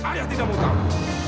ayah tidak mau tahu